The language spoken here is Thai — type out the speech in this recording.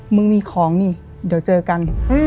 มึงมีของนี่เดี๋ยวเจอกัน